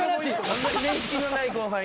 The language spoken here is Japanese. あんまり面識のない後輩が。